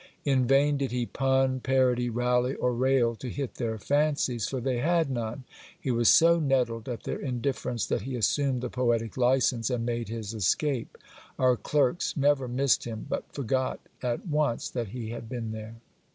In vain did he pun, parody, rally, or rail to hit their fancies, for they had none. He was so nettled at their indifference, that he assumed the poetic licence, and made his escape. Our clerks never missed him, but forgot at once that he had been there.